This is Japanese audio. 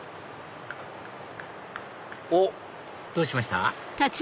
おっ！どうしました？